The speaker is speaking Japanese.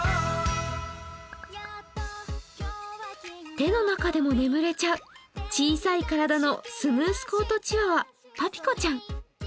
手の中でも眠れちゃう小さい体のスムースコートチワワ、パピコちゃん。